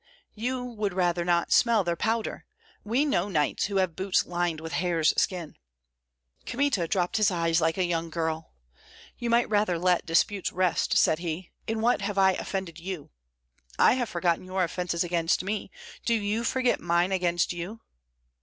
"You would rather not smell their powder. We know knights who have boots lined with hare's skin." Kmita dropped his eyes like a young girl. "You might rather let disputes rest," said he. "In what have I offended you? I have forgotten your offences against me, do you forget mine against you."